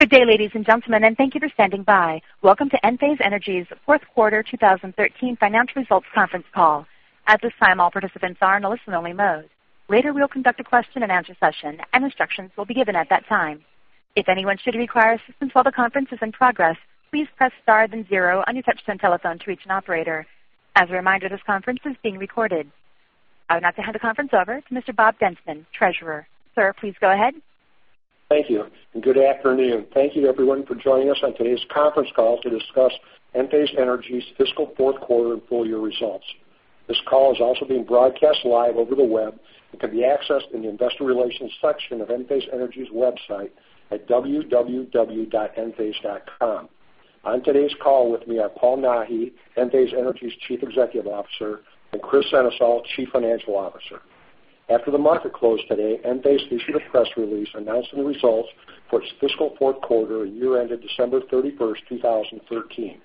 Good day, ladies and gentlemen. Thank you for standing by. Welcome to Enphase Energy's fourth quarter 2013 financial results conference call. At this time, all participants are in a listen-only mode. Later, we'll conduct a question-and-answer session, and instructions will be given at that time. If anyone should require assistance while the conference is in progress, please press star then zero on your touch-tone telephone to reach an operator. As a reminder, this conference is being recorded. I would now like to hand the conference over to Mr. Bob Dentzman, Treasurer. Sir, please go ahead. Thank you. Good afternoon. Thank you, everyone, for joining us on today's conference call to discuss Enphase Energy's fiscal fourth quarter and full-year results. This call is also being broadcast live over the web and can be accessed in the investor relations section of Enphase Energy's website at www.enphase.com. On today's call with me are Paul Nahi, Enphase Energy's Chief Executive Officer, and Kris Sennesael, Chief Financial Officer. After the market closed today, Enphase issued a press release announcing the results for its fiscal fourth quarter and year ended December 31st, 2013.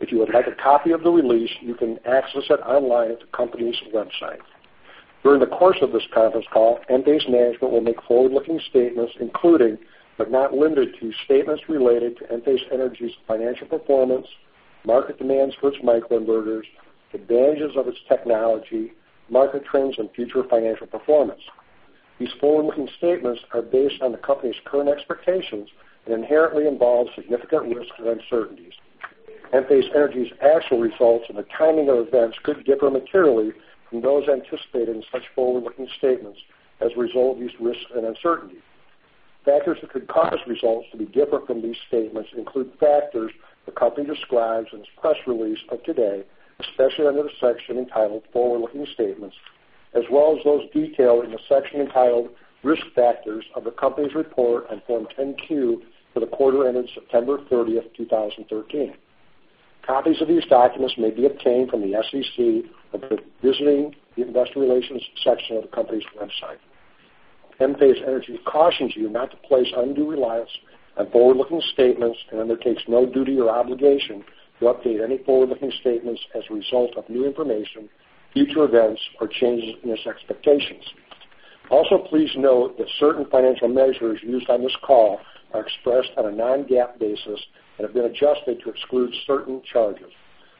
If you would like a copy of the release, you can access it online at the company's website. During the course of this conference call, Enphase management will make forward-looking statements including, but not limited to, statements related to Enphase Energy's financial performance, market demands for its microinverters, advantages of its technology, market trends, and future financial performance. These forward-looking statements are based on the company's current expectations and inherently involve significant risks and uncertainties. Enphase Energy's actual results and the timing of events could differ materially from those anticipated in such forward-looking statements as a result of these risks and uncertainties. Factors that could cause results to be different from these statements include factors the company describes in its press release of today, especially under the section entitled Forward-Looking Statements, as well as those detailed in the section entitled Risk Factors of the company's report on Form 10-Q for the quarter ended September 30th, 2013. Copies of these documents may be obtained from the SEC or by visiting the investor relations section of the company's website. Enphase Energy cautions you not to place undue reliance on forward-looking statements and undertakes no duty or obligation to update any forward-looking statements as a result of new information, future events, or changes in its expectations. Also, please note that certain financial measures used on this call are expressed on a non-GAAP basis and have been adjusted to exclude certain charges.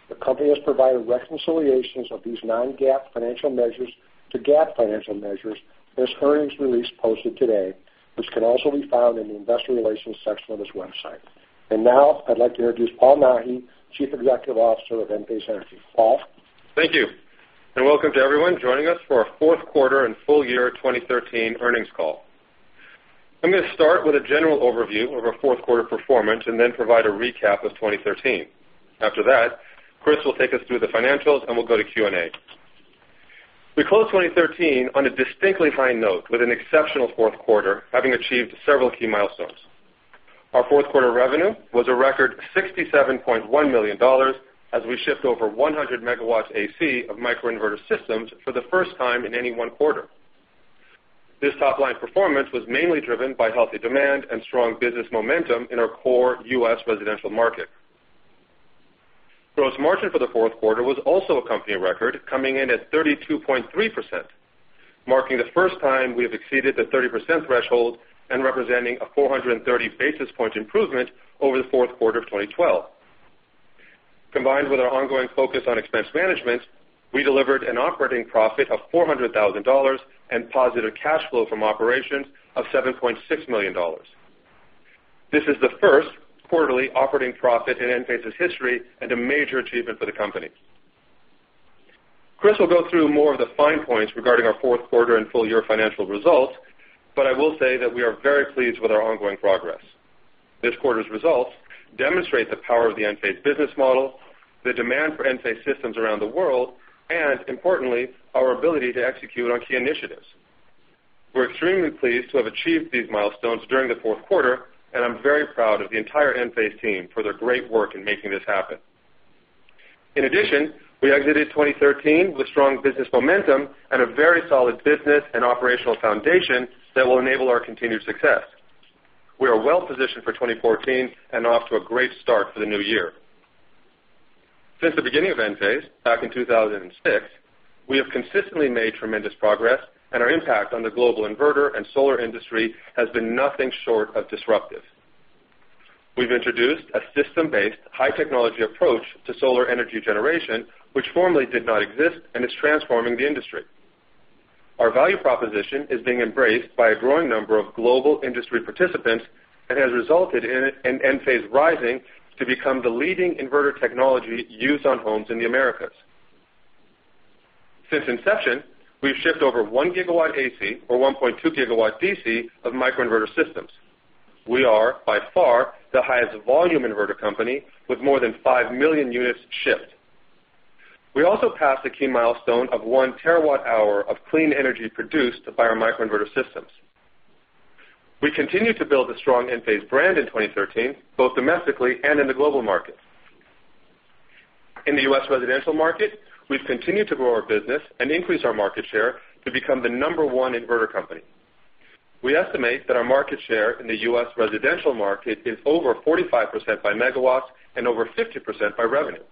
The company has provided reconciliations of these non-GAAP financial measures to GAAP financial measures in its earnings release posted today, which can also be found in the investor relations section of its website. Now I'd like to introduce Paul Nahi, Chief Executive Officer of Enphase Energy. Paul? Thank you, and welcome to everyone joining us for our fourth quarter and full year 2013 earnings call. I'm going to start with a general overview of our fourth quarter performance and then provide a recap of 2013. After that, Kris will take us through the financials, and we'll go to Q&A. We closed 2013 on a distinctly high note with an exceptional fourth quarter, having achieved several key milestones. Our fourth quarter revenue was a record $67.1 million as we shipped over 100 megawatts AC of microinverter systems for the first time in any one quarter. This top-line performance was mainly driven by healthy demand and strong business momentum in our core U.S. residential market. Gross margin for the fourth quarter was also a company record, coming in at 32.3%, marking the first time we have exceeded the 30% threshold and representing a 430 basis point improvement over the fourth quarter of 2012. Combined with our ongoing focus on expense management, we delivered an operating profit of $400,000 and positive cash flow from operations of $7.6 million. This is the first quarterly operating profit in Enphase's history and a major achievement for the company. Kris will go through more of the fine points regarding our fourth quarter and full-year financial results, but I will say that we are very pleased with our ongoing progress. This quarter's results demonstrate the power of the Enphase business model, the demand for Enphase systems around the world, and importantly, our ability to execute on key initiatives. We're extremely pleased to have achieved these milestones during the fourth quarter, and I'm very proud of the entire Enphase team for their great work in making this happen. In addition, we exited 2013 with strong business momentum and a very solid business and operational foundation that will enable our continued success. We are well-positioned for 2014 and off to a great start for the new year. Since the beginning of Enphase, back in 2006, we have consistently made tremendous progress, and our impact on the global inverter and solar industry has been nothing short of disruptive. We've introduced a system-based, high-technology approach to solar energy generation, which formerly did not exist and is transforming the industry. Our value proposition is being embraced by a growing number of global industry participants and has resulted in Enphase rising to become the leading inverter technology used on homes in the Americas. Since inception, we've shipped over one gigawatt AC or 1.2 gigawatts DC of microinverter systems. We are, by far, the highest volume inverter company, with more than 5 million units shipped. We also passed the key milestone of one terawatt hour of clean energy produced by our microinverter systems. We continued to build the strong Enphase brand in 2013, both domestically and in the global market. In the U.S. residential market, we've continued to grow our business and increase our market share to become the number one inverter company. We estimate that our market share in the U.S. residential market is over 45% by megawatts and over 50% by revenue.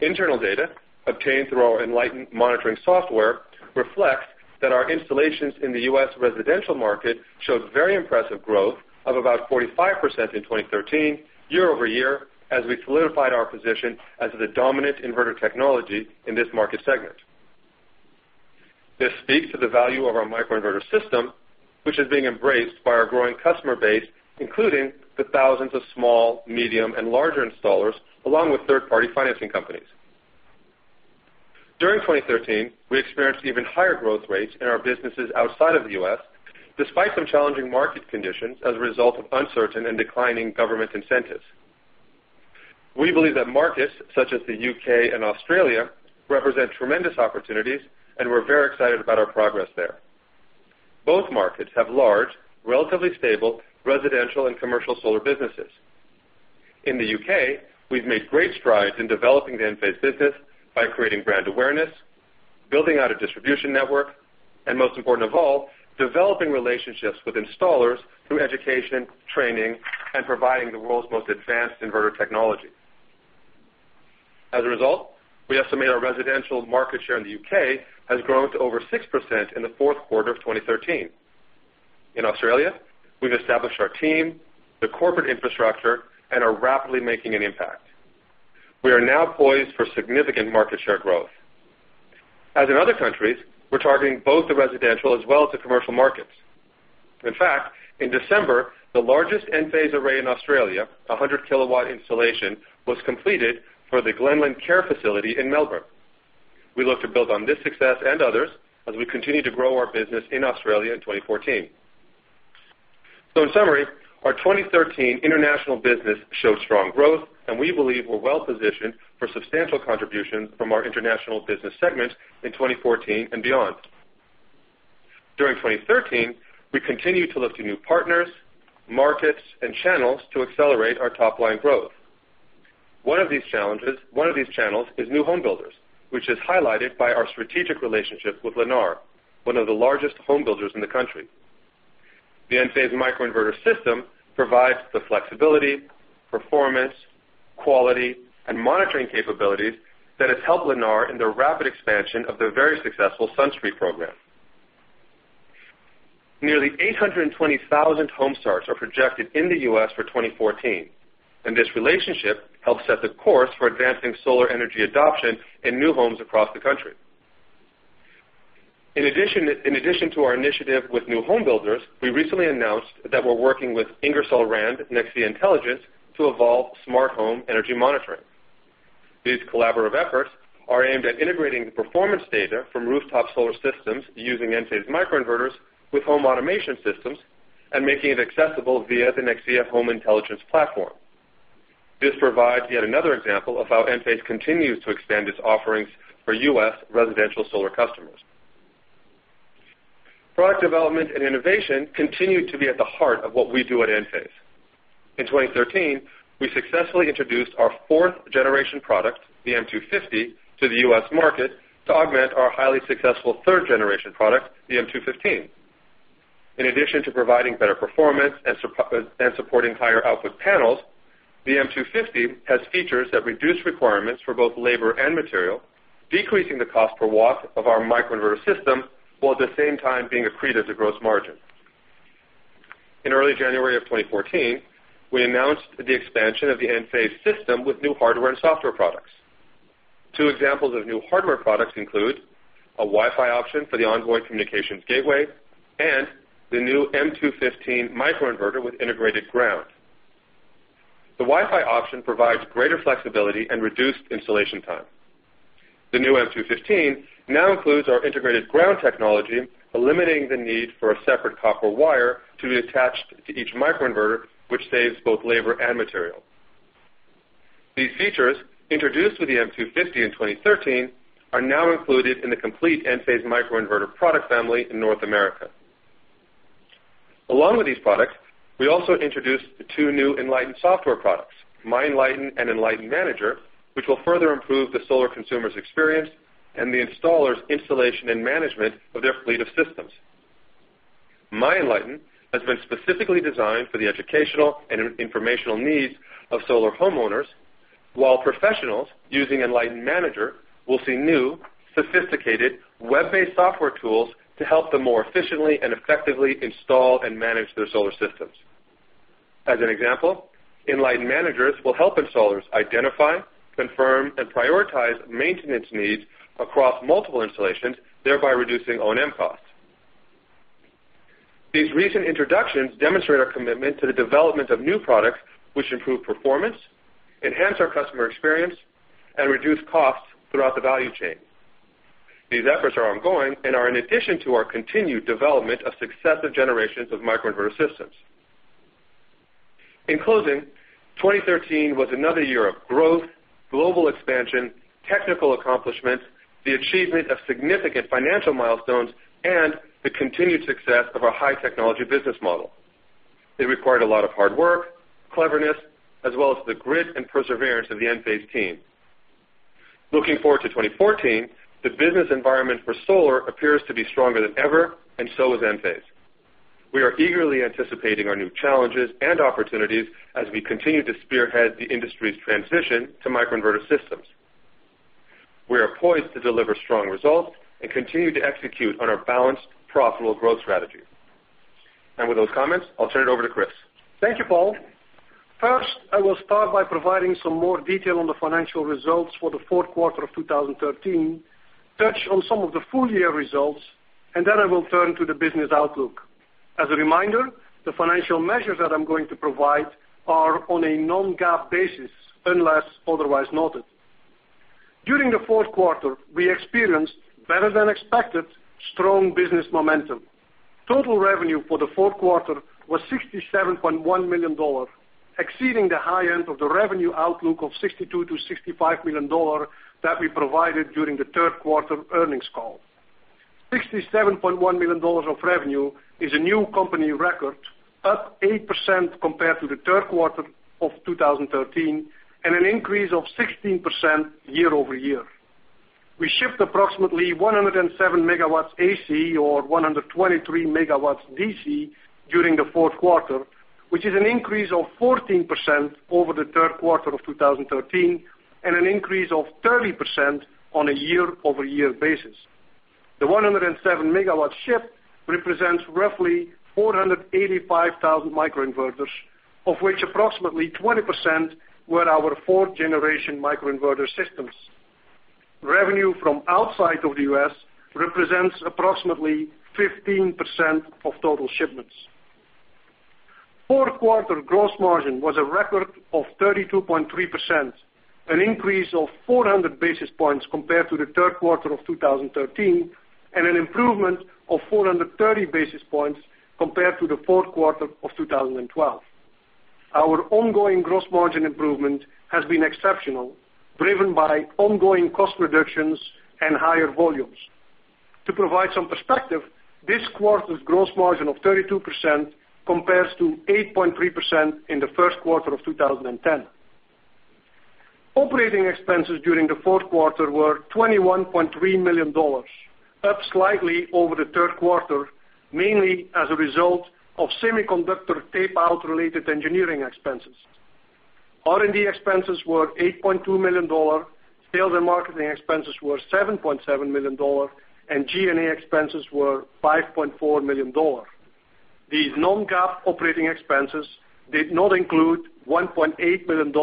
Internal data obtained through our Enlighten monitoring software reflects that our installations in the U.S. residential market showed very impressive growth of about 45% in 2013 year-over-year, as we solidified our position as the dominant inverter technology in this market segment. This speaks to the value of our microinverter system, which is being embraced by our growing customer base, including the thousands of small, medium and larger installers, along with third-party financing companies. During 2013, we experienced even higher growth rates in our businesses outside of the U.S., despite some challenging market conditions as a result of uncertain and declining government incentives. We believe that markets such as the U.K. and Australia represent tremendous opportunities. We're very excited about our progress there. Both markets have large, relatively stable residential and commercial solar businesses. In the U.K., we've made great strides in developing the Enphase business by creating brand awareness, building out a distribution network, and most important of all, developing relationships with installers through education, training, and providing the world's most advanced inverter technology. As a result, we estimate our residential market share in the U.K. has grown to over 6% in the fourth quarter of 2013. In Australia, we've established our team, the corporate infrastructure, and are rapidly making an impact. We are now poised for significant market share growth. As in other countries, we're targeting both the residential as well as the commercial markets. In fact, in December, the largest Enphase array in Australia, a 100-kilowatt installation, was completed for the Glenlyn Care Facility in Melbourne. We look to build on this success and others as we continue to grow our business in Australia in 2014. In summary, our 2013 international business showed strong growth. We believe we're well-positioned for substantial contribution from our international business segment in 2014 and beyond. During 2013, we continued to look to new partners, markets, and channels to accelerate our top-line growth. One of these channels is new home builders, which is highlighted by our strategic relationship with Lennar, one of the largest home builders in the country. The Enphase microinverter system provides the flexibility, performance, quality, and monitoring capabilities that has helped Lennar in the rapid expansion of their very successful SunStreet program. Nearly 820,000 home starts are projected in the U.S. for 2014. This relationship helps set the course for advancing solar energy adoption in new homes across the country. In addition to our initiative with new home builders, we recently announced that we're working with Ingersoll Rand Nexia Home Intelligence to evolve smart home energy monitoring. These collaborative efforts are aimed at integrating the performance data from rooftop solar systems using Enphase microinverters with home automation systems, and making it accessible via the Nexia Home Intelligence platform. This provides yet another example of how Enphase continues to expand its offerings for U.S. residential solar customers. Product development and innovation continue to be at the heart of what we do at Enphase. In 2013, we successfully introduced our fourth-generation product, the M250, to the U.S. market to augment our highly successful third-generation product, the M215. In addition to providing better performance and supporting higher output panels, the M250 has features that reduce requirements for both labor and material, decreasing the cost per watt of our microinverter system, while at the same time being accretive to gross margin. In early January of 2014, we announced the expansion of the Enphase system with new hardware and software products. Two examples of new hardware products include a Wi-Fi option for the Envoy Communications Gateway and the new M215 microinverter with integrated ground. The Wi-Fi option provides greater flexibility and reduced installation time. The new M215 now includes our integrated ground technology, eliminating the need for a separate copper wire to be attached to each microinverter, which saves both labor and material. These features, introduced with the M250 in 2013, are now included in the complete Enphase microinverter product family in North America. Along with these products, we also introduced the two new Enlighten software products, MyEnlighten and Enlighten Manager, which will further improve the solar consumer's experience and the installer's installation and management of their fleet of systems. MyEnlighten has been specifically designed for the educational and informational needs of solar homeowners, while professionals using Enlighten Manager will see new, sophisticated, web-based software tools to help them more efficiently and effectively install and manage their solar systems. As an example, Enlighten Manager will help installers identify, confirm, and prioritize maintenance needs across multiple installations, thereby reducing O&M costs. These recent introductions demonstrate our commitment to the development of new products which improve performance, enhance our customer experience, and reduce costs throughout the value chain. These efforts are ongoing and are in addition to our continued development of successive generations of microinverter systems. In closing, 2013 was another year of growth, global expansion, technical accomplishments, the achievement of significant financial milestones, and the continued success of our high-technology business model. It required a lot of hard work, cleverness, as well as the grit and perseverance of the Enphase team. Looking forward to 2014, the business environment for solar appears to be stronger than ever, and so is Enphase. We are eagerly anticipating our new challenges and opportunities as we continue to spearhead the industry's transition to microinverter systems. We are poised to deliver strong results and continue to execute on our balanced, profitable growth strategy. With those comments, I'll turn it over to Kris. Thank you, Paul. First, I will start by providing some more detail on the financial results for the fourth quarter of 2013, touch on some of the full-year results, and then I will turn to the business outlook. As a reminder, the financial measures that I'm going to provide are on a non-GAAP basis, unless otherwise noted. During the fourth quarter, we experienced better-than-expected strong business momentum. Total revenue for the fourth quarter was $67.1 million, exceeding the high end of the revenue outlook of $62 million-$65 million that we provided during the third quarter earnings call. $67.1 million of revenue is a new company record, up 8% compared to the third quarter of 2013, and an increase of 16% year-over-year. We shipped approximately 107 MW AC or 123 MW DC during the fourth quarter, which is an increase of 14% over the third quarter of 2013, and an increase of 30% on a year-over-year basis. The 107 MW ship represents roughly 485,000 microinverters, of which approximately 20% were our fourth generation microinverter systems. Revenue from outside of the U.S. represents approximately 15% of total shipments. Fourth quarter gross margin was a record of 32.3%, an increase of 400 basis points compared to the third quarter of 2013, and an improvement of 430 basis points compared to the fourth quarter of 2012. Our ongoing gross margin improvement has been exceptional, driven by ongoing cost reductions and higher volumes. To provide some perspective, this quarter's gross margin of 32% compares to 8.3% in the first quarter of 2010. Operating expenses during the fourth quarter were $21.3 million, up slightly over the third quarter, mainly as a result of semiconductor tape-out related engineering expenses. R&D expenses were $8.2 million, sales and marketing expenses were $7.7 million, and G&A expenses were $5.4 million. These non-GAAP operating expenses did not include $1.8 million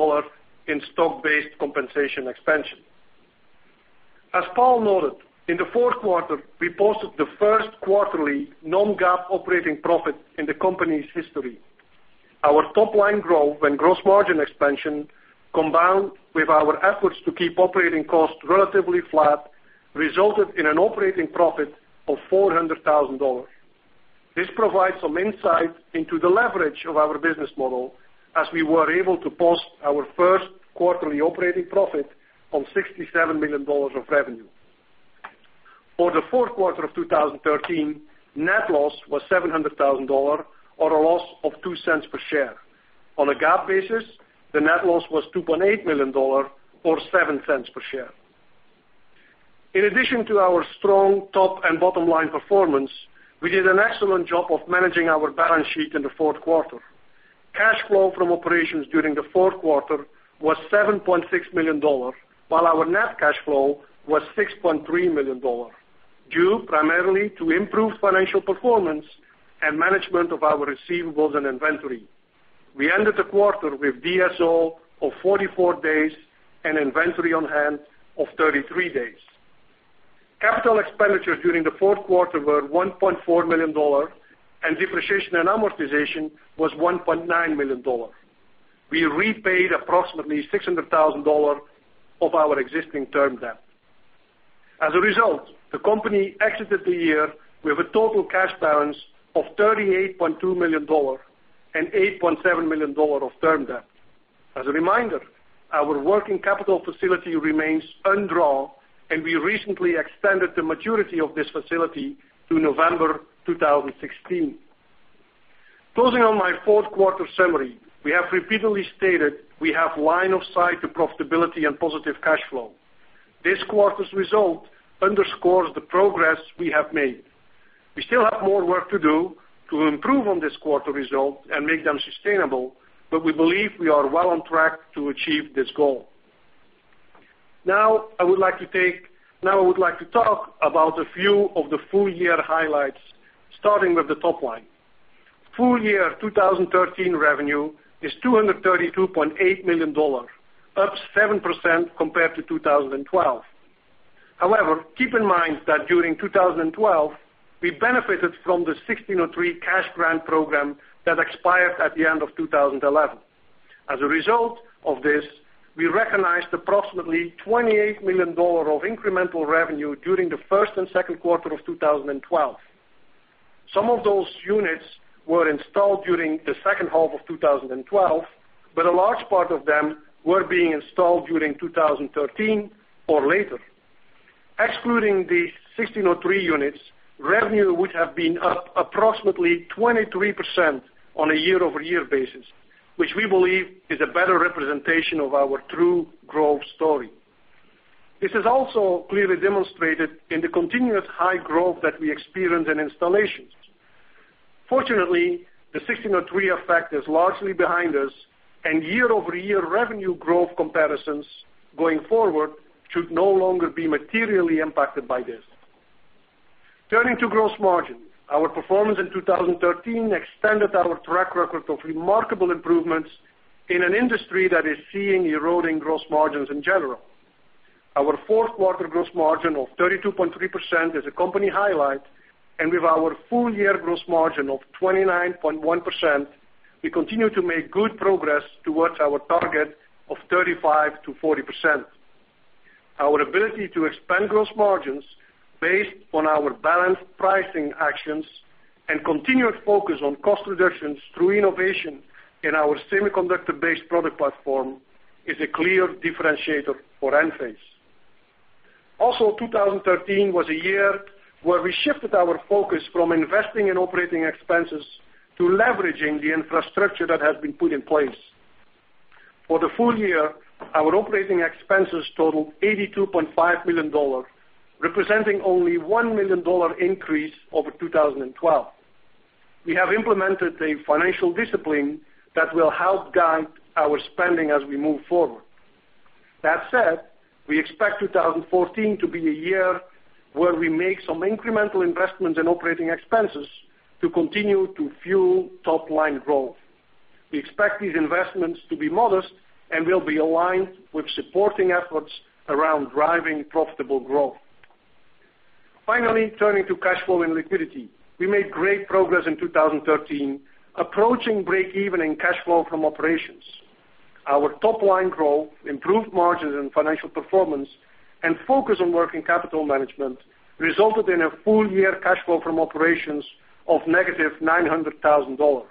in stock-based compensation expense. As Paul noted, in the fourth quarter, we posted the first quarterly non-GAAP operating profit in the company's history. Our top-line growth and gross margin expansion, combined with our efforts to keep operating costs relatively flat, resulted in an operating profit of $400,000. This provides some insight into the leverage of our business model, as we were able to post our first quarterly operating profit on $67 million of revenue. For the fourth quarter of 2013, net loss was $700,000, or a loss of $0.02 per share. On a GAAP basis, the net loss was $2.8 million, or $0.07 per share. In addition to our strong top and bottom line performance, we did an excellent job of managing our balance sheet in the fourth quarter. Cash flow from operations during the fourth quarter was $7.6 million, while our net cash flow was $6.3 million, due primarily to improved financial performance and management of our receivables and inventory. We ended the quarter with DSO of 44 days and inventory on hand of 33 days. Capital expenditures during the fourth quarter were $1.4 million, and depreciation and amortization was $1.9 million. We repaid approximately $600,000 of our existing term debt. As a result, the company exited the year with a total cash balance of $38.2 million and $8.7 million of term debt. As a reminder, our working capital facility remains undrawn, and we recently extended the maturity of this facility to November 2016. Closing on my fourth quarter summary, we have repeatedly stated we have line of sight to profitability and positive cash flow. This quarter's result underscores the progress we have made. We still have more work to do to improve on this quarter results and make them sustainable, but we believe we are well on track to achieve this goal. Now, I would like to talk about a few of the full-year highlights, starting with the top line. Full year 2013 revenue is $232.8 million, up 7% compared to 2012. However, keep in mind that during 2012, we benefited from the 1603 cash grant Program that expired at the end of 2011. As a result of this, we recognized approximately $28 million of incremental revenue during the first and second quarter of 2012. Some of those units were installed during the second half of 2012, but a large part of them were being installed during 2013 or later. Excluding the Section 1603 Program units, revenue would have been up approximately 23% on a year-over-year basis, which we believe is a better representation of our true growth story. This is also clearly demonstrated in the continuous high growth that we experience in installations. Fortunately, the Section 1603 Program effect is largely behind us, and year-over-year revenue growth comparisons going forward should no longer be materially impacted by this. Turning to gross margin. Our performance in 2013 extended our track record of remarkable improvements in an industry that is seeing eroding gross margins in general. Our fourth quarter gross margin of 32.3% is a company highlight, and with our full-year gross margin of 29.1%, we continue to make good progress towards our target of 35%-40%. 2013 was a year where we shifted our focus from investing in operating expenses to leveraging the infrastructure that has been put in place. Our ability to expand gross margins based on our balanced pricing actions and continued focus on cost reductions through innovation in our semiconductor-based product platform is a clear differentiator for Enphase. For the full year, our operating expenses totaled $82.5 million, representing only a $1 million increase over 2012. We have implemented a financial discipline that will help guide our spending as we move forward. That said, we expect 2014 to be a year where we make some incremental investments in operating expenses to continue to fuel top-line growth. We expect these investments to be modest and will be aligned with supporting efforts around driving profitable growth. Finally, turning to cash flow and liquidity. We made great progress in 2013, approaching breakeven in cash flow from operations. Our top-line growth, improved margins and financial performance, and focus on working capital management resulted in a full-year cash flow from operations of negative $900,000.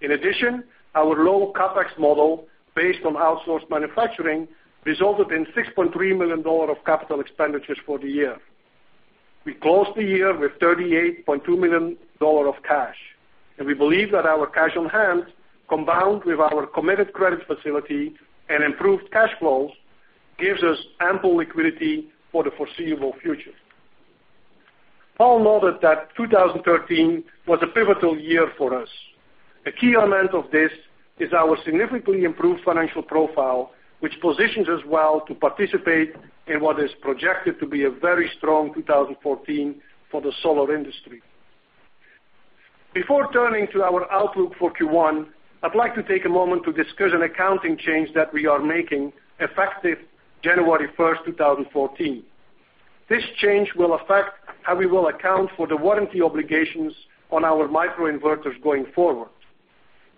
In addition, our low CapEx model, based on outsourced manufacturing, resulted in $6.3 million of capital expenditures for the year. We closed the year with $38.2 million of cash, and we believe that our cash on hand, combined with our committed credit facility and improved cash flows, gives us ample liquidity for the foreseeable future. Paul noted that 2013 was a pivotal year for us. A key element of this is our significantly improved financial profile, which positions us well to participate in what is projected to be a very strong 2014 for the solar industry. Before turning to our outlook for Q1, I'd like to take a moment to discuss an accounting change that we are making effective January 1st, 2014. This change will affect how we will account for the warranty obligations on our microinverters going forward.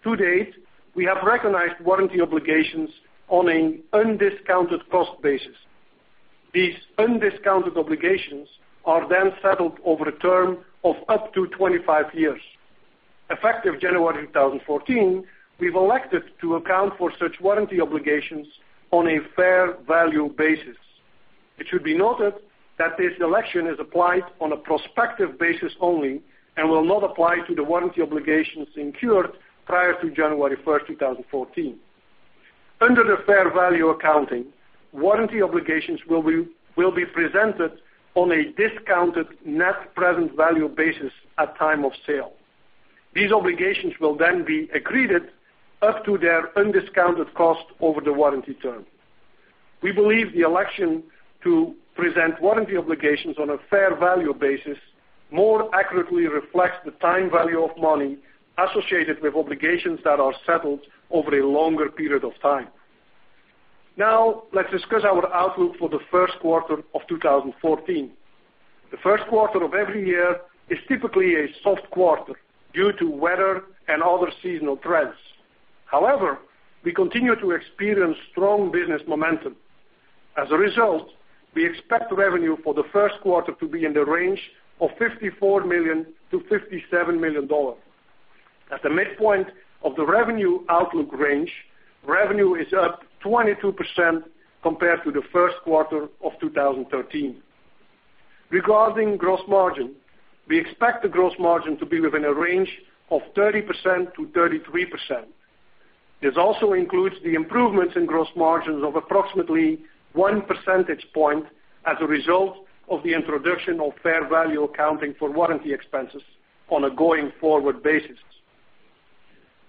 To date, we have recognized warranty obligations on an undiscounted cost basis. These undiscounted obligations are then settled over a term of up to 25 years. Effective January 2014, we've elected to account for such warranty obligations on a fair value basis. It should be noted that this election is applied on a prospective basis only and will not apply to the warranty obligations incurred prior to January 1st, 2014. Under the fair value accounting, warranty obligations will be presented on a discounted net present value basis at time of sale. These obligations will then be accreted up to their undiscounted cost over the warranty term. We believe the election to present warranty obligations on a fair value basis more accurately reflects the time value of money associated with obligations that are settled over a longer period of time. Let's discuss our outlook for the first quarter of 2014. The first quarter of every year is typically a soft quarter due to weather and other seasonal trends. However, we continue to experience strong business momentum. As a result, we expect revenue for the first quarter to be in the range of $54 million to $57 million. At the midpoint of the revenue outlook range, revenue is up 22% compared to the first quarter of 2013. Regarding gross margin, we expect the gross margin to be within a range of 30%-33%. This also includes the improvements in gross margins of approximately one percentage point as a result of the introduction of fair value accounting for warranty expenses on a going-forward basis.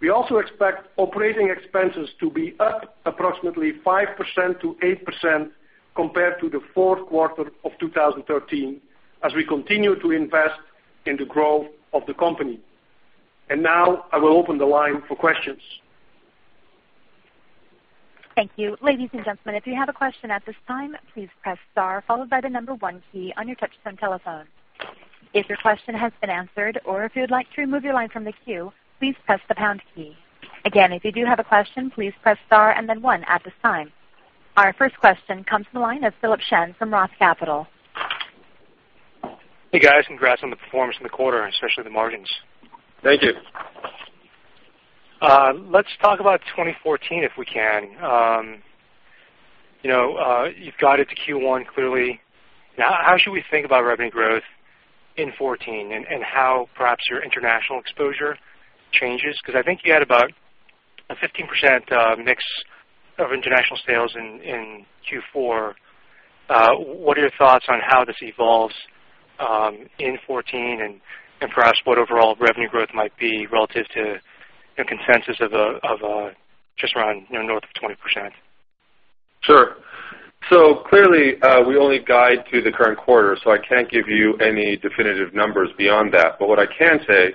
We also expect operating expenses to be up approximately 5%-8% compared to the fourth quarter of 2013 as we continue to invest in the growth of the company. Now I will open the line for questions. Thank you. Ladies and gentlemen, if you have a question at this time, please press star followed by the number 1 key on your touchtone telephone. If your question has been answered or if you'd like to remove your line from the queue, please press the pound key. Again, if you do have a question, please press star and then one at this time. Our first question comes from the line of Philip Shen from Roth Capital. Hey, guys. Congrats on the performance in the quarter, especially the margins. Thank you. Let's talk about 2014, if we can. You've guided to Q1, clearly. How should we think about revenue growth in 2014, and how perhaps your international exposure changes? Because I think you had about a 15% mix of international sales in Q4. What are your thoughts on how this evolves in 2014, and perhaps what overall revenue growth might be relative to the consensus of just around north of 20%? Clearly, we only guide to the current quarter, I can't give you any definitive numbers beyond that. What I can say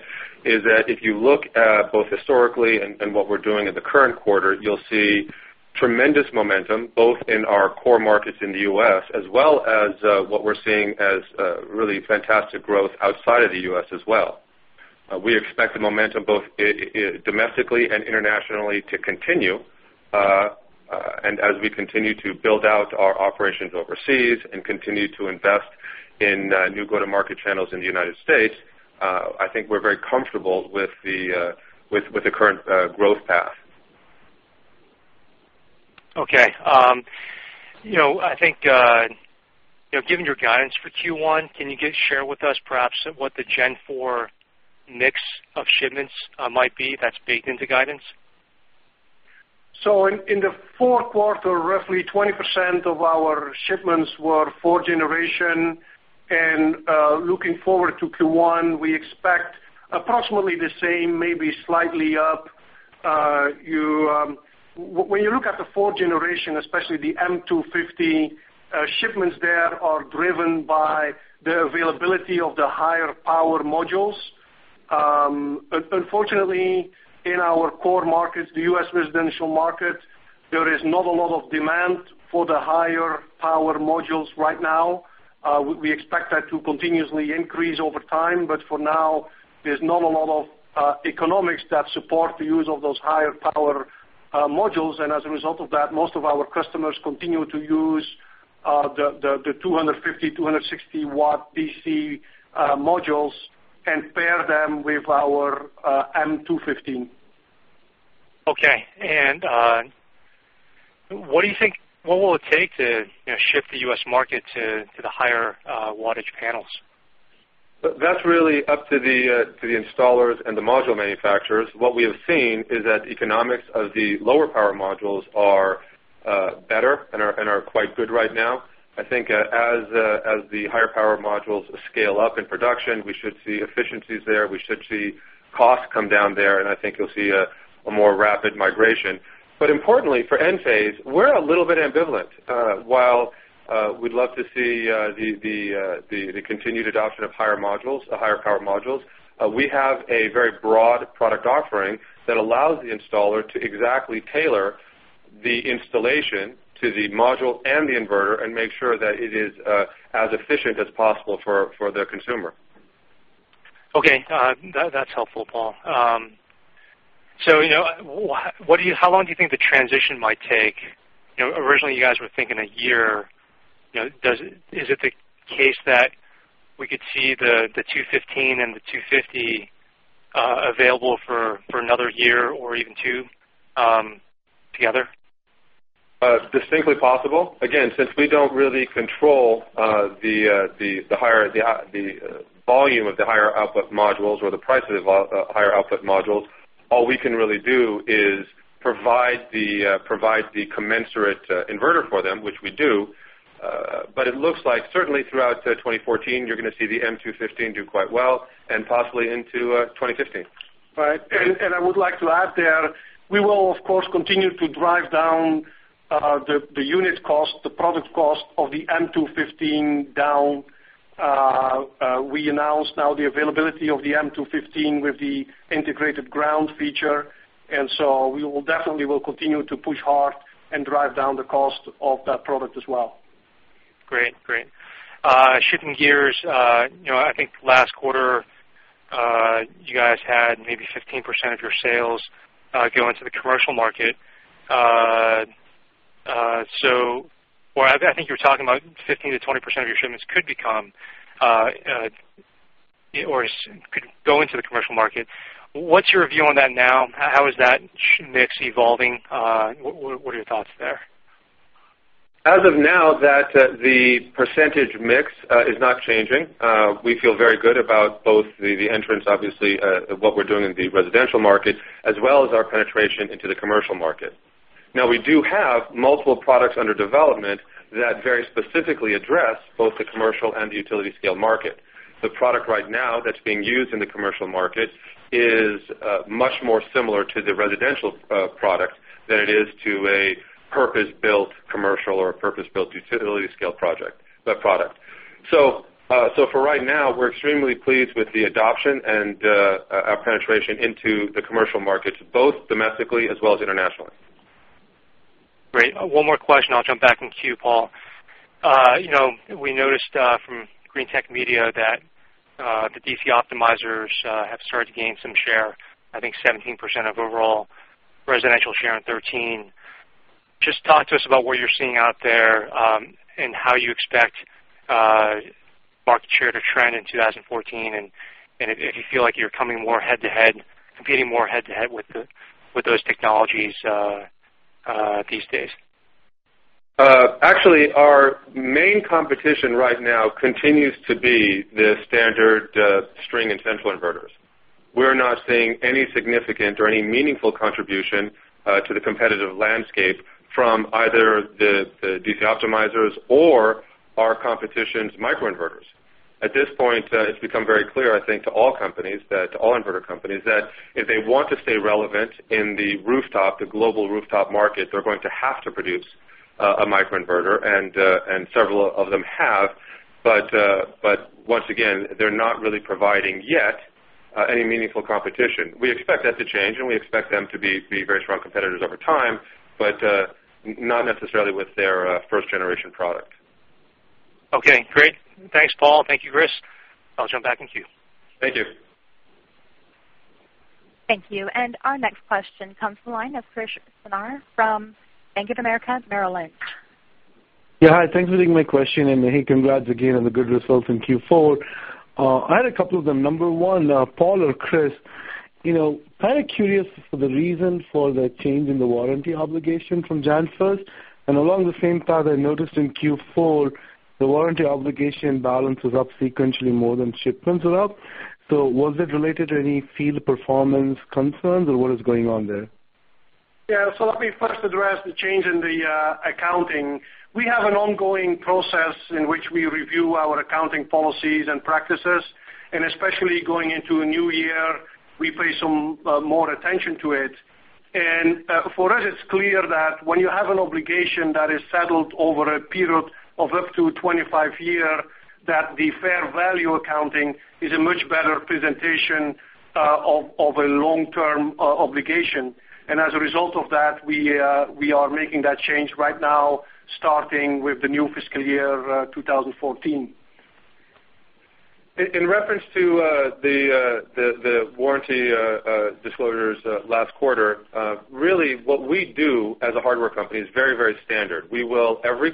is that if you look at both historically and what we're doing in the current quarter, you'll see tremendous momentum both in our core markets in the U.S. as well as what we're seeing as really fantastic growth outside of the U.S. as well. We expect the momentum both domestically and internationally to continue. As we continue to build out our operations overseas and continue to invest in new go-to-market channels in the United States, I think we're very comfortable with the current growth path. Okay. I think, given your guidance for Q1, can you share with us perhaps what the Gen 4 mix of shipments might be that's baked into guidance? In the fourth quarter, roughly 20% of our shipments were fourth-generation, and looking forward to Q1, we expect approximately the same, maybe slightly up. When you look at the fourth-generation, especially the M250, shipments there are driven by the availability of the higher power modules. Unfortunately, in our core markets, the U.S. residential market, there is not a lot of demand for the higher power modules right now. We expect that to continuously increase over time, but for now, there is not a lot of economics that support the use of those higher power modules. As a result of that, most of our customers continue to use the 250, 260-watt DC modules and pair them with our M215. Okay. What do you think, what will it take to shift the U.S. market to the higher wattage panels? That's really up to the installers and the module manufacturers. What we have seen is that the economics of the lower power modules are better and are quite good right now. I think as the higher power modules scale up in production, we should see efficiencies there, we should see costs come down there, and I think you will see a more rapid migration. Importantly for Enphase, we are a little bit ambivalent. While we would love to see the continued adoption of higher power modules, we have a very broad product offering that allows the installer to exactly tailor the installation to the module and the inverter and make sure that it is as efficient as possible for the consumer. Okay. That's helpful, Paul. How long do you think the transition might take? Originally, you guys were thinking a year. Is it the case that we could see the 215 and the 250 available for another year or even two together? Distinctly possible. Since we don't really control the volume of the higher output modules or the price of higher output modules, all we can really do is provide the commensurate inverter for them, which we do. It looks like certainly throughout 2014, you're going to see the M215 do quite well and possibly into 2015. Right. I would like to add there, we will of course continue to drive down the unit cost, the product cost of the M215 down. We announced now the availability of the M215 with the integrated ground feature, so we definitely will continue to push hard and drive down the cost of that product as well. Great. Shifting gears. I think last quarter, you guys had maybe 15% of your sales go into the commercial market. I think you were talking about 15%-20% of your shipments could become, or could go into the commercial market. What's your view on that now? How is that mix evolving? What are your thoughts there? As of now, the percentage mix is not changing. We feel very good about both the entrance, obviously, what we're doing in the residential market, as well as our penetration into the commercial market. We do have multiple products under development that very specifically address both the commercial and the utility scale market. The product right now that's being used in the commercial market is much more similar to the residential product than it is to a purpose-built commercial or a purpose-built utility scale product. For right now, we're extremely pleased with the adoption and our penetration into the commercial markets, both domestically as well as internationally. Great. One more question, I'll jump back in queue, Paul. We noticed from Greentech Media that the DC optimizers have started to gain some share, I think 17% of overall residential share in 2013. Just talk to us about what you're seeing out there, and how you expect market share to trend in 2014, and if you feel like you're competing more head-to-head with those technologies these days. Actually, our main competition right now continues to be the standard string and central inverters. We're not seeing any significant or any meaningful contribution to the competitive landscape from either the DC optimizers or our competition's microinverters. At this point, it's become very clear, I think, to all inverter companies, that if they want to stay relevant in the global rooftop market, they're going to have to produce a microinverter, and several of them have, but once again, they're not really providing yet any meaningful competition. We expect that to change, and we expect them to be very strong competitors over time, but not necessarily with their first-generation product. Okay, great. Thanks, Paul. Thank you, Kris. I'll jump back in queue. Thank you. Thank you. Our next question comes from the line of Krish Sankar from Bank of America Merrill Lynch. Yeah, hi. Thanks for taking my question, hey, congrats again on the good results in Q4. I had a couple of them. Number one, Paul or Kris, I'm curious for the reason for the change in the warranty obligation from January 1st, along the same path, I noticed in Q4, the warranty obligation balance was up sequentially more than shipments were up. Was it related to any field performance concerns, or what is going on there? Yeah. Let me first address the change in the accounting. We have an ongoing process in which we review our accounting policies and practices, especially going into a new year, we pay some more attention to it. For us, it's clear that when you have an obligation that is settled over a period of up to 25 years, that the fair value accounting is a much better presentation of a long-term obligation. As a result of that, we are making that change right now, starting with the new fiscal year 2014. In reference to the warranty disclosures last quarter, really what we do as a hardware company is very standard. We will, every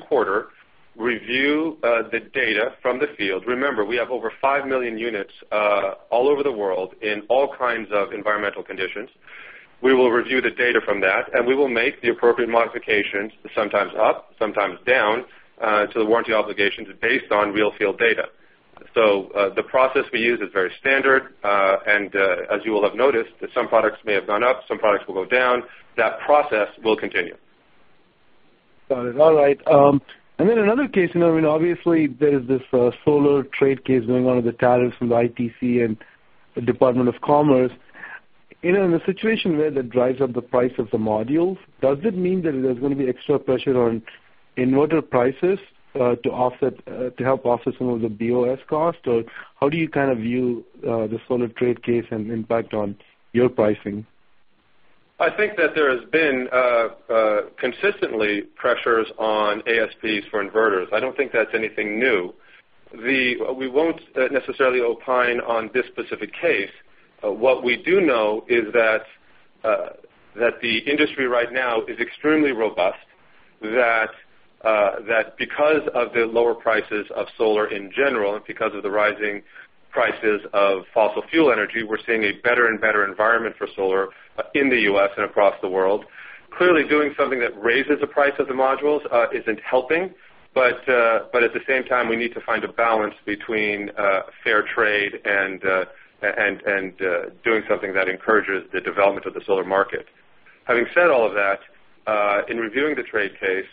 quarter, review the data from the field. Remember, we have over 5 million units all over the world in all kinds of environmental conditions. We will review the data from that, we will make the appropriate modifications, sometimes up, sometimes down, to the warranty obligations based on real-field data. The process we use is very standard, as you will have noticed, some products may have gone up, some products will go down. That process will continue. Got it. All right. Another case, obviously there is this solar trade case going on with the tariffs from the ITC and the Department of Commerce. In a situation where that drives up the price of the modules, does it mean that there's going to be extra pressure on inverter prices, to help offset some of the BOS cost, or how do you view the solar trade case and impact on your pricing? I think that there has been consistently pressures on ASPs for inverters. I don't think that's anything new. We won't necessarily opine on this specific case. What we do know is that the industry right now is extremely robust, that because of the lower prices of solar in general and because of the rising prices of fossil fuel energy, we're seeing a better and better environment for solar in the U.S. and across the world. Clearly, doing something that raises the price of the modules isn't helping, at the same time, we need to find a balance between fair trade and doing something that encourages the development of the solar market. Having said all of that, in reviewing the trade case,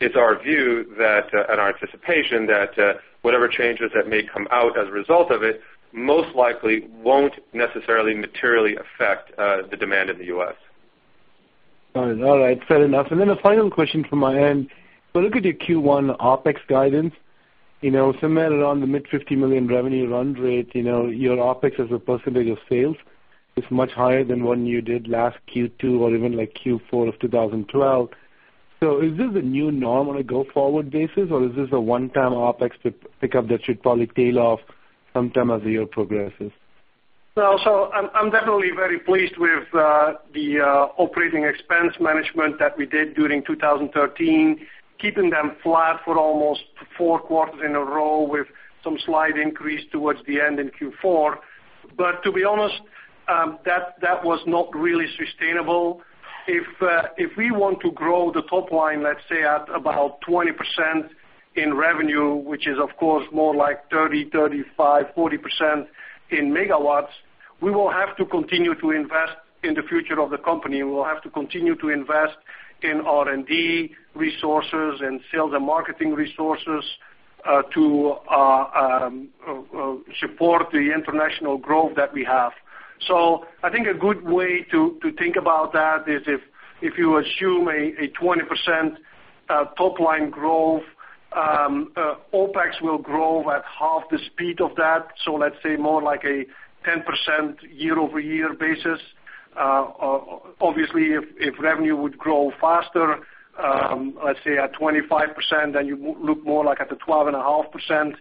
it's our view and our anticipation that whatever changes that may come out as a result of it, most likely won't necessarily materially affect the demand in the U.S. Got it. All right, fair enough. A final question from my end. Look at your Q1 OpEx guidance, somewhere around the mid $50 million revenue run rate. Your OpEx as a percentage of sales is much higher than what you did last Q2 or even Q4 of 2012. Is this the new norm on a go-forward basis, or is this a one-time OpEx pick-up that should probably tail off sometime as the year progresses? I'm definitely very pleased with the operating expense management that we did during 2013, keeping them flat for almost four quarters in a row with some slight increase towards the end in Q4. To be honest, that was not really sustainable. If we want to grow the top line, let's say at about 20% in revenue, which is of course more like 30%, 35%, 40% in megawatts, we will have to continue to invest in the future of the company. We will have to continue to invest in R&D resources and sales and marketing resources to support the international growth that we have. I think a good way to think about that is if you assume a 20% top-line growth, OpEx will grow at half the speed of that. Let's say more like a 10% year-over-year basis. Obviously, if revenue would grow faster, let's say at 25%, you look more like at the 12.5%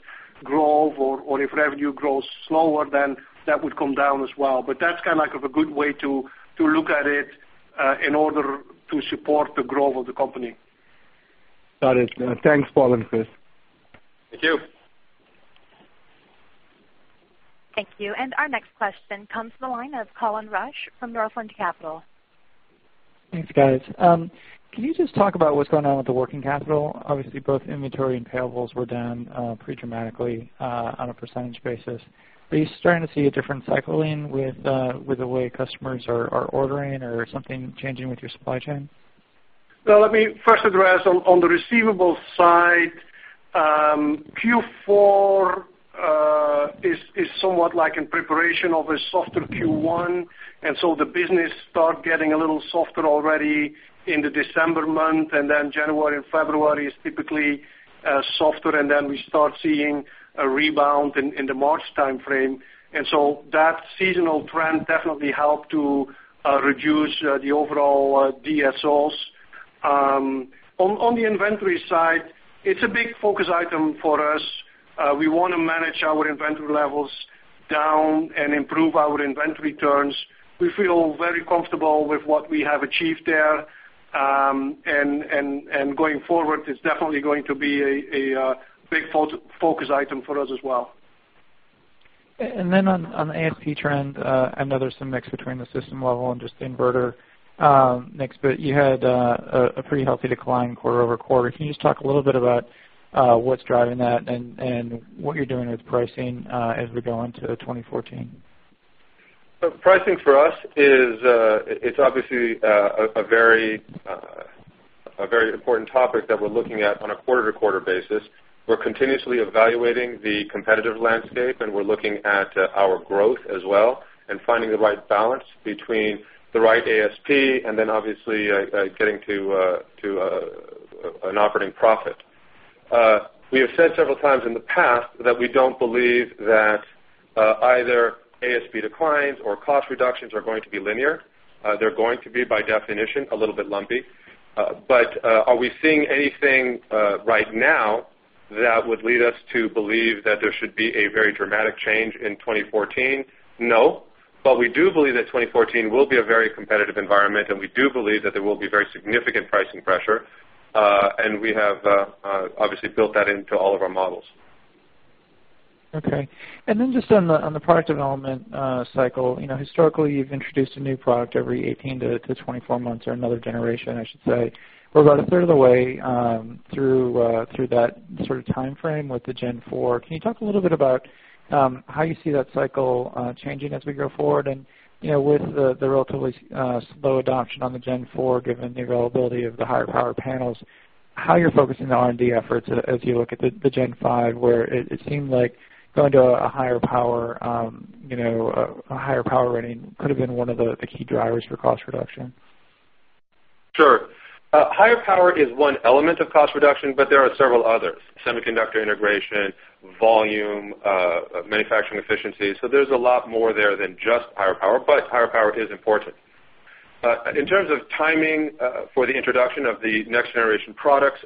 growth, if revenue grows slower, that would come down as well. That's a good way to look at it in order to support the growth of the company. Got it. Thanks, Paul and Kris. Thank you. Thank you. Our next question comes from the line of Colin Rusch from Northland Capital. Thanks, guys. Can you just talk about what's going on with the working capital? Obviously, both inventory and payables were down pretty dramatically on a percentage basis. Are you starting to see a different cycling with the way customers are ordering or something changing with your supply chain? Well, let me first address on the receivables side, Q4 is somewhat in preparation of a softer Q1. So the business start getting a little softer already in the December month, then January and February is typically softer, then we start seeing a rebound in the March timeframe. So that seasonal trend definitely helped to reduce the overall DSOs. On the inventory side, it's a big focus item for us. We want to manage our inventory levels down and improve our inventory turns. We feel very comfortable with what we have achieved there. Going forward, it's definitely going to be a big focus item for us as well. Then on the ASP trend, I know there's some mix between the system level and just the inverter mix, but you had a pretty healthy decline quarter-over-quarter. Can you just talk a little bit about what's driving that and what you're doing with pricing as we go into 2014? Pricing for us is obviously a very important topic that we're looking at on a quarter-to-quarter basis. We're continuously evaluating the competitive landscape, we're looking at our growth as well and finding the right balance between the right ASP and then obviously getting to an operating profit. We have said several times in the past that we don't believe that either ASP declines or cost reductions are going to be linear. They're going to be, by definition, a little bit lumpy. Are we seeing anything right now that would lead us to believe that there should be a very dramatic change in 2014? No. We do believe that 2014 will be a very competitive environment, and we do believe that there will be very significant pricing pressure. We have obviously built that into all of our models. Okay. Just on the product development cycle, historically, you've introduced a new product every 18 to 24 months or another generation, I should say. We're about a third of the way through that sort of timeframe with the Gen 4. Can you talk a little bit about how you see that cycle changing as we go forward? With the relatively slow adoption on the Gen 4, given the availability of the higher power panels, how you're focusing the R&D efforts as you look at the Gen 5, where it seemed like going to a higher power rating could have been one of the key drivers for cost reduction. Sure. Higher power is one element of cost reduction, there are several others. Semiconductor integration, volume, manufacturing efficiency. There's a lot more there than just higher power, higher power is important. In terms of timing for the introduction of the next-generation products,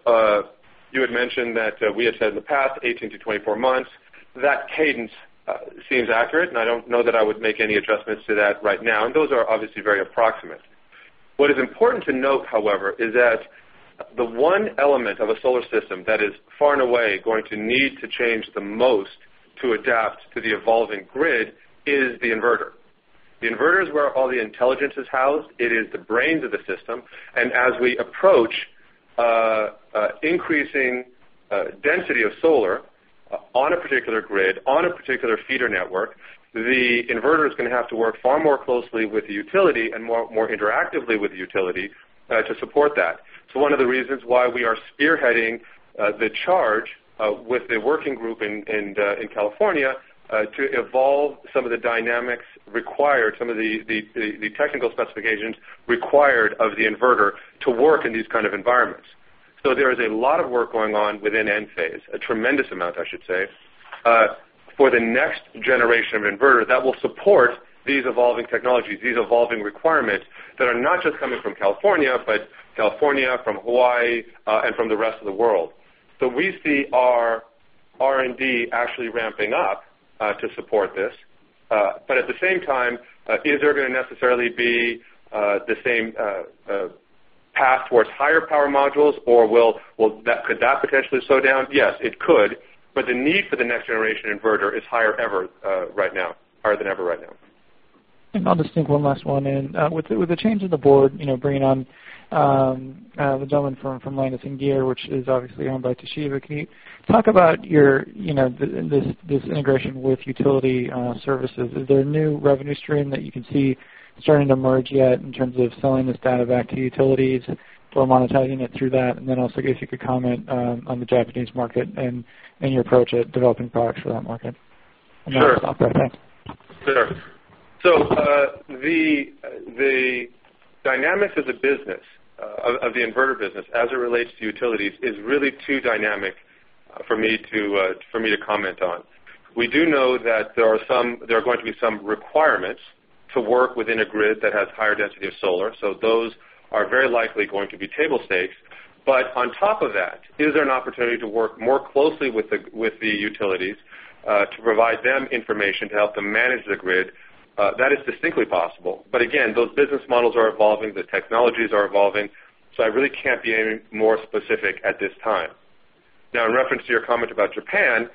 you had mentioned that we had said in the past 18 to 24 months. That cadence seems accurate, I don't know that I would make any adjustments to that right now, those are obviously very approximate. What is important to note, however, is that the one element of a solar system that is far and away going to need to change the most to adapt to the evolving grid is the inverter. The inverter is where all the intelligence is housed. It is the brains of the system. As we approach increasing density of solar on a particular grid, on a particular feeder network, the inverter is going to have to work far more closely with the utility and more interactively with the utility to support that. One of the reasons why we are spearheading the charge with a working group in California to evolve some of the dynamics required, some of the technical specifications required of the inverter to work in these kind of environments. There is a lot of work going on within Enphase, a tremendous amount, I should say, for the next generation of inverters that will support these evolving technologies, these evolving requirements that are not just coming from California, but California, from Hawaii, and from the rest of the world. We see our R&D actually ramping up to support this. At the same time, is there going to necessarily be the same path towards higher power modules or could that potentially slow down? Yes, it could. The need for the next-generation inverter is higher than ever right now. I'll just sneak one last one in. With the change in the board, bringing on the gentleman from Mitsubishi Gear, which is obviously owned by Toshiba, can you talk about this integration with utility services? Is there a new revenue stream that you can see starting to emerge yet in terms of selling this data back to utilities or monetizing it through that? Also, I guess you could comment on the Japanese market and your approach at developing products for that market. Sure. Thanks. Sure. The dynamics of the inverter business as it relates to utilities is really too dynamic for me to comment on. We do know that there are going to be some requirements to work within a grid that has higher density of solar. Those are very likely going to be table stakes. On top of that, is there an opportunity to work more closely with the utilities to provide them information to help them manage the grid? That is distinctly possible. Again, those business models are evolving, the technologies are evolving. I really can't be any more specific at this time. In reference to your comment about Japan,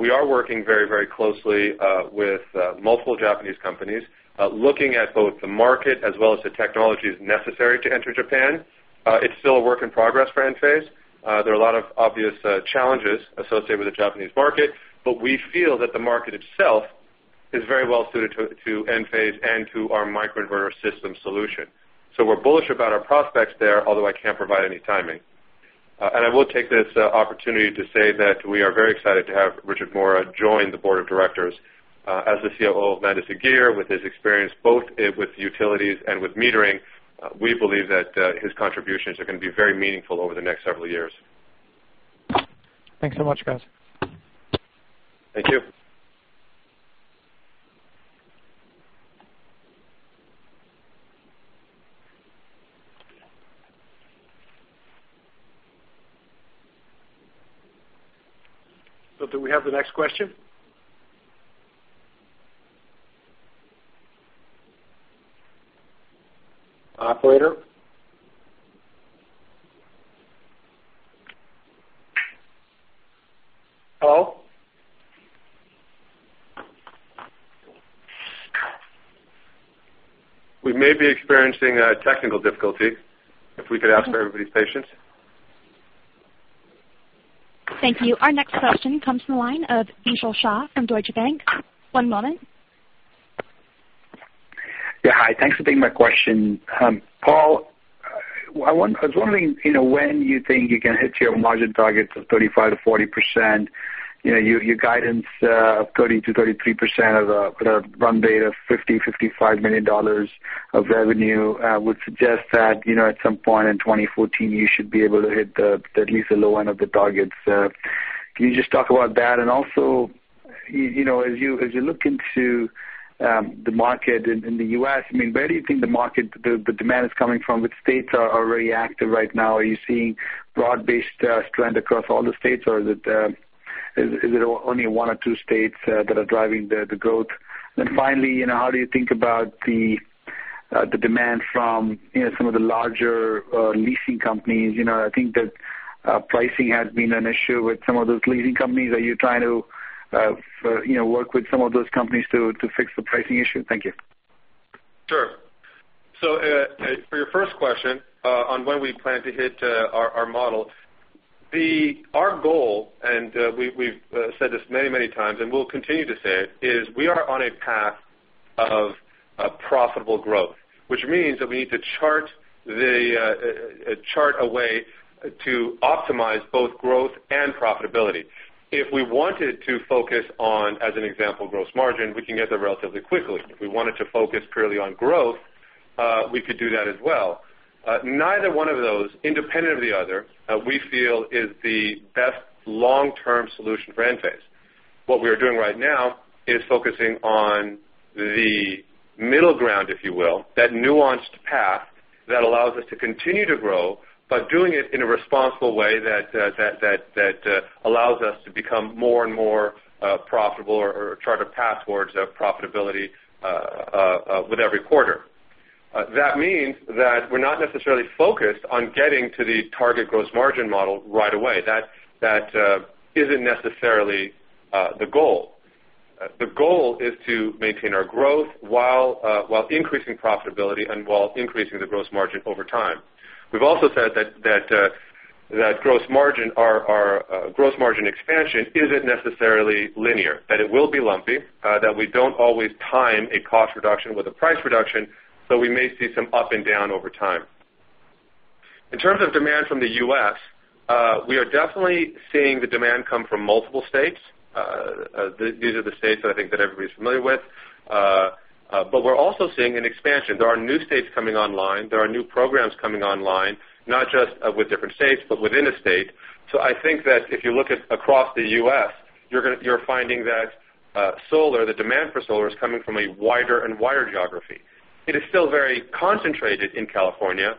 we are working very closely with multiple Japanese companies, looking at both the market as well as the technologies necessary to enter Japan. It's still a work in progress for Enphase. There are a lot of obvious challenges associated with the Japanese market, but we feel that the market itself is very well-suited to Enphase and to our microinverter system solution. We're bullish about our prospects there, although I can't provide any timing. I will take this opportunity to say that we are very excited to have Richard Mora join the board of directors as the COO of Landis+Gyr. With his experience, both with utilities and with metering, we believe that his contributions are going to be very meaningful over the next several years. Thanks so much, guys. Thank you. Do we have the next question? Operator? Paul? We may be experiencing technical difficulty. If we could ask for everybody's patience. Thank you. Our next question comes from the line of Vishal Shah from Deutsche Bank. One moment. Yeah, hi. Thanks for taking my question. Paul, I was wondering when you think you can hit your margin targets of 35%-40%. Your guidance of 30%-33% of the run rate of $50 million, $55 million of revenue would suggest that at some point in 2014, you should be able to hit at least the low end of the targets. Can you just talk about that? Also, as you look into the market in the U.S., where do you think the demand is coming from? Which states are already active right now? Are you seeing broad-based trend across all the states, or is it only one or two states that are driving the growth? Finally, how do you think about the demand from some of the larger leasing companies? I think that pricing has been an issue with some of those leasing companies. Are you trying to work with some of those companies to fix the pricing issue? Thank you. Sure. For your first question on when we plan to hit our model. Our goal, and we've said this many times, and we'll continue to say it, is we are on a path of profitable growth, which means that we need to chart a way to optimize both growth and profitability. If we wanted to focus on, as an example, gross margin, we can get there relatively quickly. If we wanted to focus purely on growth, we could do that as well. Neither one of those, independent of the other, we feel is the best long-term solution for Enphase. What we are doing right now is focusing on the middle ground, if you will, that nuanced path that allows us to continue to grow by doing it in a responsible way that allows us to become more and more profitable or chart a path towards profitability with every quarter. That means that we're not necessarily focused on getting to the target gross margin model right away. That isn't necessarily the goal. The goal is to maintain our growth while increasing profitability and while increasing the gross margin over time. We've also said that our gross margin expansion isn't necessarily linear, that it will be lumpy, that we don't always time a cost reduction with a price reduction, so we may see some up and down over time. In terms of demand from the U.S., we are definitely seeing the demand come from multiple states. These are the states that I think that everybody's familiar with. We're also seeing an expansion. There are new states coming online. There are new programs coming online, not just with different states, but within a state. I think that if you look at across the U.S., you're finding that the demand for solar is coming from a wider and wider geography. It is still very concentrated in California,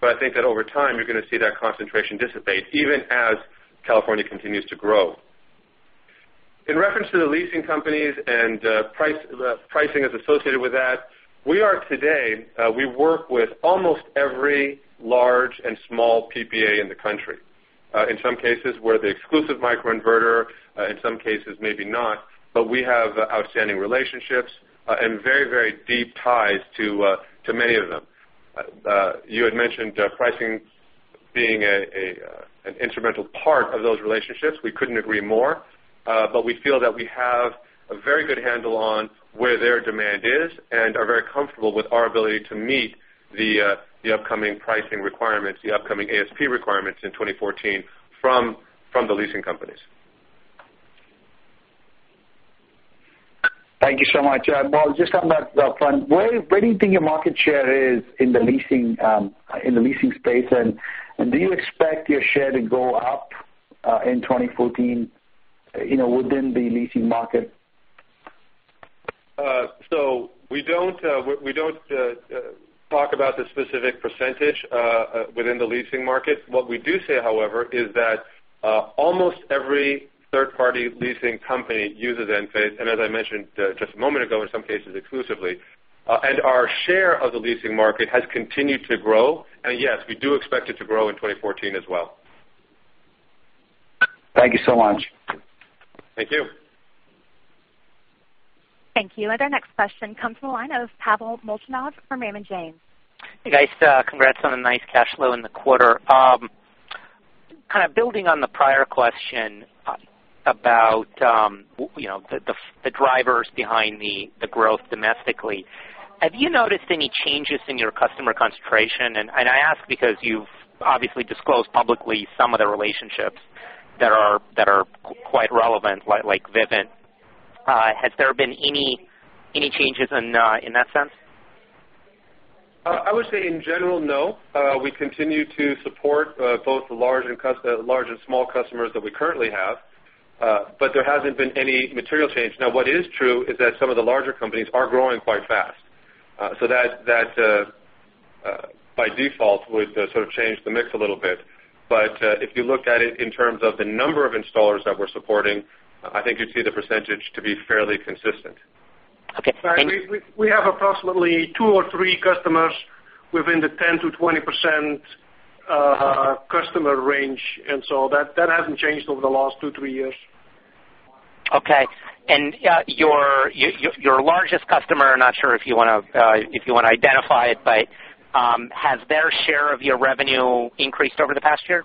but I think that over time, you're going to see that concentration dissipate even as California continues to grow. In reference to the leasing companies and pricing as associated with that, today we work with almost every large and small PPA in the country. In some cases, we're the exclusive microinverter, in some cases, maybe not, but we have outstanding relationships and very deep ties to many of them. You had mentioned pricing being an instrumental part of those relationships. We couldn't agree more. We feel that we have a very good handle on where their demand is and are very comfortable with our ability to meet the upcoming pricing requirements, the upcoming ASP requirements in 2014 from the leasing companies. Thank you so much, Paul. Just on that front, where do you think your market share is in the leasing space, and do you expect your share to go up in 2014 within the leasing market? We don't talk about the specific percentage within the leasing market. What we do say, however, is that almost every third-party leasing company uses Enphase, and as I mentioned just a moment ago, in some cases exclusively. Our share of the leasing market has continued to grow. Yes, we do expect it to grow in 2014 as well. Thank you so much. Thank you. Thank you. Our next question comes from the line of Pavel Molchanov from Raymond James. Hey, guys. Congrats on a nice cash flow in the quarter. Building on the prior question about the drivers behind the growth domestically, have you noticed any changes in your customer concentration? I ask because you've obviously disclosed publicly some of the relationships that are quite relevant, like Vivint. Has there been any changes in that sense? I would say in general, no. We continue to support both the large and small customers that we currently have. There hasn't been any material change. Now, what is true is that some of the larger companies are growing quite fast. That, by default, would sort of change the mix a little bit. If you look at it in terms of the number of installers that we're supporting, I think you'd see the percentage to be fairly consistent. Okay. We have approximately two or three customers within the 10%-20% customer range. That hasn't changed over the last two, three years. Okay. Your largest customer, I'm not sure if you want to identify it, but has their share of your revenue increased over the past year?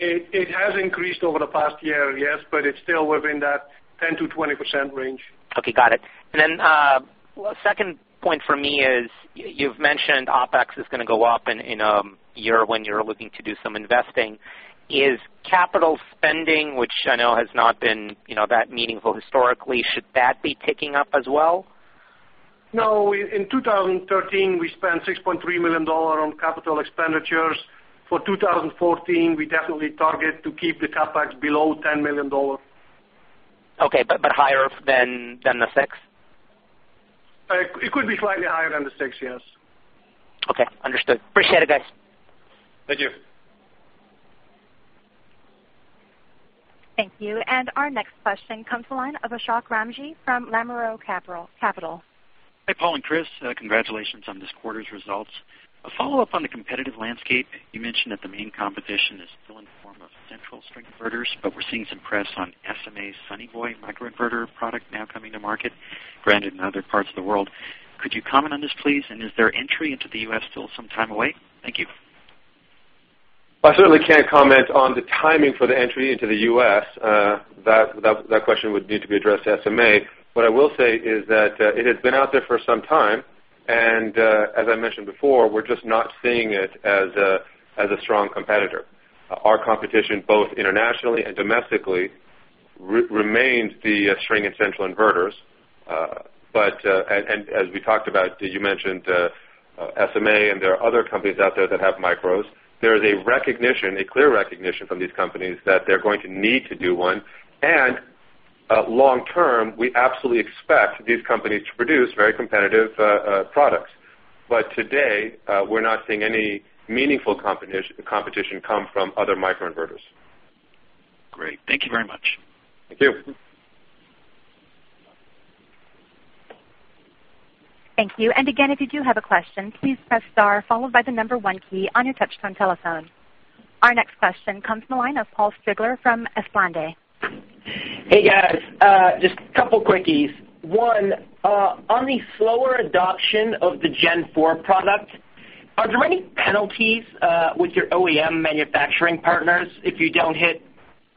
It has increased over the past year, yes, but it's still within that 10%-20% range. Okay, got it. Then, second point for me is, you've mentioned OpEx is going to go up in a year when you're looking to do some investing. Is capital spending, which I know has not been that meaningful historically, should that be ticking up as well? No. In 2013, we spent $6.3 million on capital expenditures. For 2014, we definitely target to keep the CapEx below $10 million. Okay. Higher than the six? It could be slightly higher than the six, yes. Okay, understood. Appreciate it, guys. Thank you. Thank you. Our next question comes the line of Ashok Ramji from Lamoureux Capital. Hey, Paul and Kris. Congratulations on this quarter's results. A follow-up on the competitive landscape. You mentioned that the main competition is still in the form of central string inverters, but we're seeing some press on SMA's Sunny Boy microinverter product now coming to market, granted, in other parts of the world. Could you comment on this, please? Is their entry into the U.S. still some time away? Thank you. I certainly can't comment on the timing for the entry into the U.S. That question would need to be addressed to SMA. What I will say is that it has been out there for some time, as I mentioned before, we're just not seeing it as a strong competitor. Our competition, both internationally and domestically, remains the string and central inverters. As we talked about, you mentioned SMA, and there are other companies out there that have micros. There is a recognition, a clear recognition from these companies that they're going to need to do one, and long-term, we absolutely expect these companies to produce very competitive products. Today, we're not seeing any meaningful competition come from other microinverters. Great. Thank you very much. Thank you. Thank you. Again, if you do have a question, please press star followed by the number one key on your touchtone telephone. Our next question comes from the line of Paul Strigler from Esplanade. Hey, guys. Just a couple quickies. One, on the slower adoption of the Gen 4 product, are there any penalties with your OEM manufacturing partners? If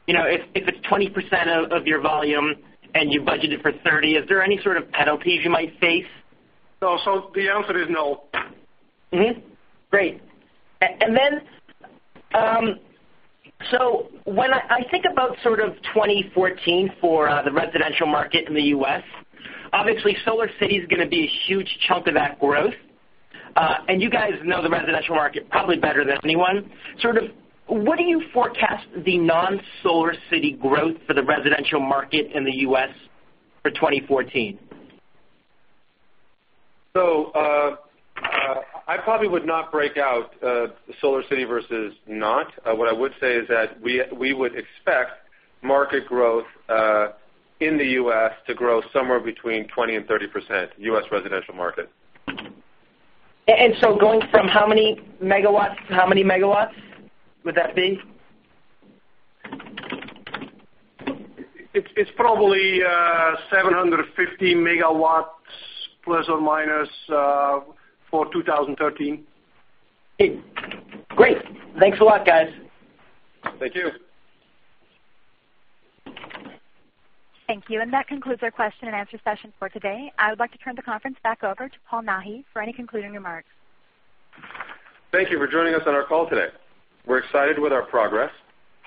it's 20% of your volume and you budgeted for 30, is there any sort of penalties you might face? The answer is no. Great. When I think about sort of 2014 for the residential market in the U.S., obviously SolarCity is going to be a huge chunk of that growth. You guys know the residential market probably better than anyone. Sort of what do you forecast the non-SolarCity growth for the residential market in the U.S. for 2014? I probably would not break out SolarCity versus not. What I would say is that we would expect market growth in the U.S. to grow somewhere between 20%-30%, U.S. residential market. Going from how many megawatts to how many megawatts would that be? It's probably 750 megawatts, ±, for 2013. Great. Thanks a lot, guys. Thank you. Thank you. That concludes our question and answer session for today. I would like to turn the conference back over to Paul Nahi for any concluding remarks. Thank you for joining us on our call today. We're excited with our progress,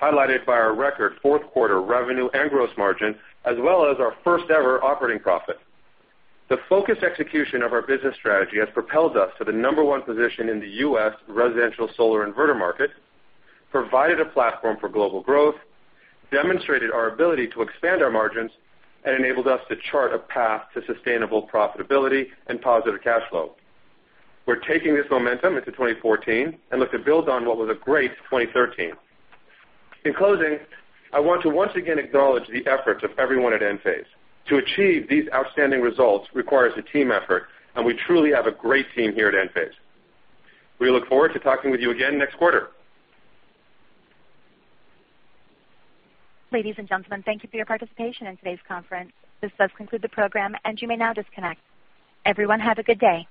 highlighted by our record fourth quarter revenue and gross margin, as well as our first-ever operating profit. The focused execution of our business strategy has propelled us to the number one position in the U.S. residential solar inverter market, provided a platform for global growth, demonstrated our ability to expand our margins, and enabled us to chart a path to sustainable profitability and positive cash flow. We're taking this momentum into 2014 and look to build on what was a great 2013. In closing, I want to once again acknowledge the efforts of everyone at Enphase. To achieve these outstanding results requires a team effort, and we truly have a great team here at Enphase. We look forward to talking with you again next quarter. Ladies and gentlemen, thank you for your participation in today's conference. This does conclude the program, and you may now disconnect. Everyone, have a good day.